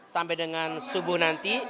sampai dengan subuh nanti